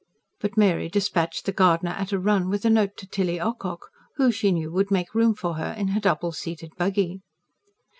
But Mary despatched the gardener at a run with a note to Tilly Ocock, who, she knew, would make room for her in her double seated buggy.